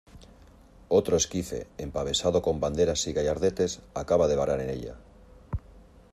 otro esquife empavesado con banderas y gallardetes, acababa de varar en ella